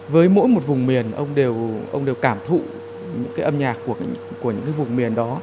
với mỗi một vùng miền ông đều cảm thụ những cái âm nhạc của những cái vùng miền đó